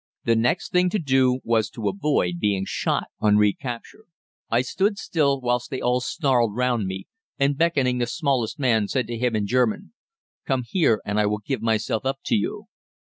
The next thing to do was to avoid being shot on recapture. I stood still, whilst they all snarled round me, and beckoning the smallest man said to him in German, "Come here and I will give myself up to you."